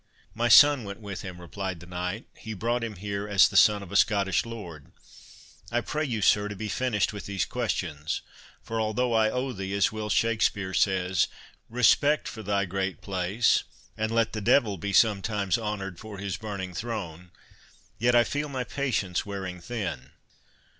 "My son went with him," replied the knight; "he brought him here as the son of a Scottish lord.—I pray you, sir, to be finished with these questions; for although I owe thee, as Will Shakspeare says, Respect for thy great place, and let the devil Be sometimes honoured for his burning throne,— yet I feel my patience wearing thin."